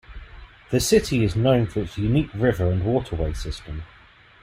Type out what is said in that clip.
The city is known for its unique river and waterway system.